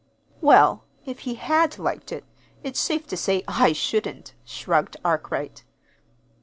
"Well, if he had liked it, it's safe to say I shouldn't," shrugged Arkwright.